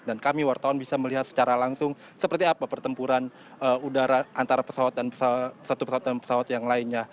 dan kami wartawan bisa melihat secara langsung seperti apa pertempuran udara antara pesawat dan pesawat yang lainnya